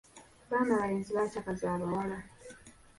Baana balenzi bacakaza abawala.